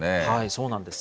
そうなんです。